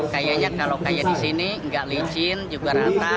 kayaknya kalau kayak di sini nggak licin juga rata